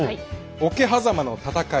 桶狭間の戦い